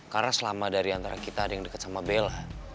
karena selama dari antara kita ada yang deket sama bela